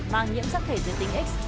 mang nhiễm sắc thể giới tính x